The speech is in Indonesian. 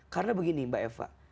karena begini mbak eva